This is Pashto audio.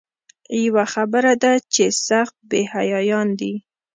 یوه خبره ده چې سخت بې حیایان دي.